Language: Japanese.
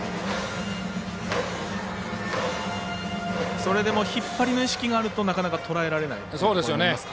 それでも引っ張りの意識があるとなかなかとらえられないということですか。